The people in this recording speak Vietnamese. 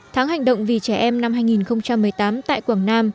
tháng hành động vì trẻ em năm hai nghìn một mươi tám tại quảng nam